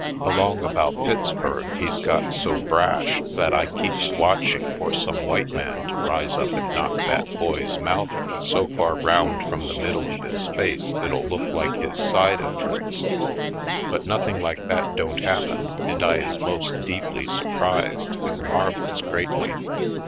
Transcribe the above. Along about Pittsburgh he's got so brash that I keeps watching for some white man to rise up and knock that boy's mouth North Bound 31 so far round from the middle of his face it'll look like his side entrance. But noth ing like that don't happen and I is most deeply surprised and marvels greatly.